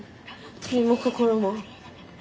「身も心も」。